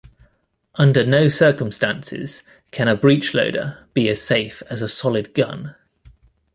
Under no circumstances can a breech-loader be as safe as a solid gun.